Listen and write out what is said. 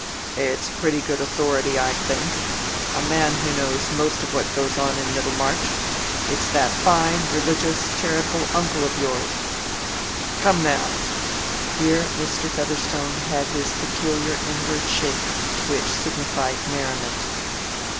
"It's pretty good authority, I think—a man who knows most of what goes on in Middlemarch. It's that fine, religious, charitable uncle o' yours. Come now!" Here Mr. Featherstone had his peculiar inward shake which signified merriment.